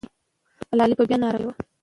ملالۍ به بیا ناره کړې وه.